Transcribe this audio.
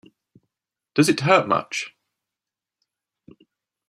Does it hurt much?